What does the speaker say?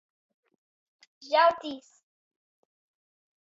Žautīs.